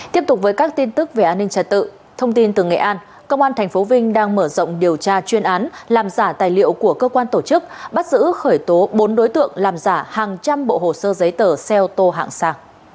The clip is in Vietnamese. tiếp tục với các tin tức về an ninh trả tự thông tin từ nghệ an công an tp vinh đang mở rộng điều tra chuyên án làm giả tài liệu của cơ quan tổ chức bắt giữ khởi tố bốn đối tượng làm giả hàng trăm bộ hồ sơ giấy tờ xe ô tô hạng sàn